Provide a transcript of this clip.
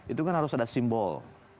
itu kan harus ada simbol